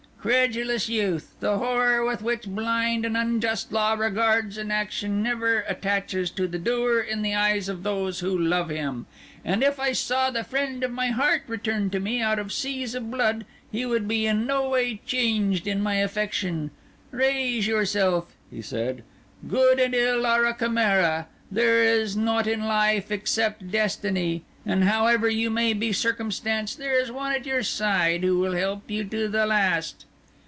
Credulous youth, the horror with which blind and unjust law regards an action never attaches to the doer in the eyes of those who love him; and if I saw the friend of my heart return to me out of seas of blood he would be in no way changed in my affection. Raise yourself," he said; "good and ill are a chimera; there is nought in life except destiny, and however you may be circumstanced there is one at your side who will help you to the last."